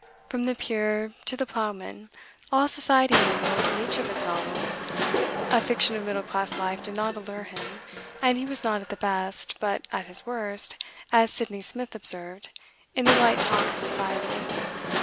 "From the peer to the ploughman," all society mingles in each of his novels. A fiction of middle class life did not allure him, and he was not at the best, but at his worst, as Sydney Smith observed, in the light talk of society.